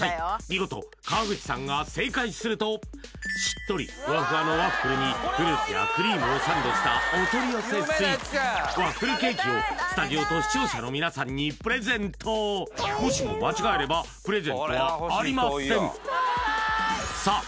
見事川口さんがしっとりふわふわのワッフルにフルーツやクリームをサンドしたお取り寄せスイーツワッフルケーキをスタジオと視聴者の皆さんにプレゼントもしも間違えればプレゼントはありませんさあ